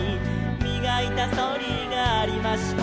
「みがいたそりがありました」